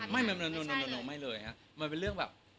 มันเป็นเรื่องแบบ